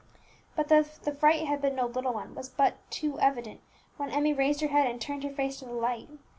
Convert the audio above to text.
But that the fright had been no little one was but too evident when Emmie raised her head, and turned her face to the light.